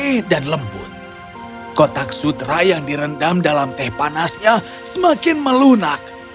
ketika lebat dan lembut kotak sutera yang direndam dalam teh panasnya semakin melunak